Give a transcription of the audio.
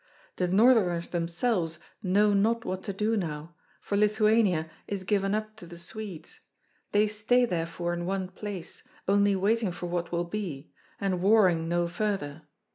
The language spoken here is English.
The Northerners themselves know not what to do now, for Lithuania is given up to the Swedes; they stay therefore in one place, only waiting for what will be, and warring no further.